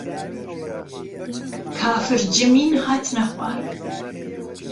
کافر جمين هاتنه خوار